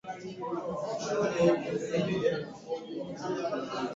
His historical reputation has largely been a positive one, following the assessment of Dio.